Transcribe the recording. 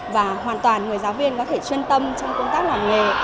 và hoàn toàn người giáo viên có thể chuyên tâm trong công tác làm nghề